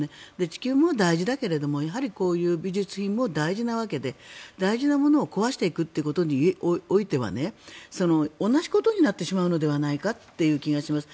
地球も大事だけどこういう美術品も大事なわけで大事なものを壊していくということにおいては同じことになってしまうのではないかという気がします。